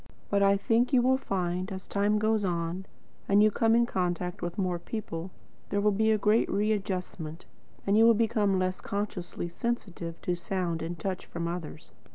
But I think you will find, as time goes on, and you come in contact with more people, there will be a great readjustment, and you will become less consciously sensitive to sound and touch from others.